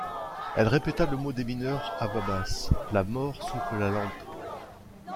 Elle répéta le mot des mineurs, à voix basse: — La mort souffle la lampe.